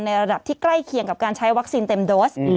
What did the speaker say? ระดับที่ใกล้เคียงกับการใช้วัคซีนเต็มโดส